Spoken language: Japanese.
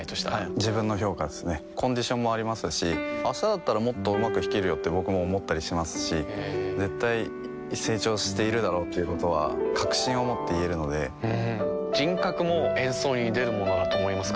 自分の評価ですねコンディションもありますし明日だったらもっとうまく弾けるよって僕も思ったりしますし絶対成長しているだろうということは確信を持って言えるので人格も演奏に出るものだと思いますか？